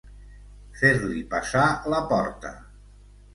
Fer-li passar la porta.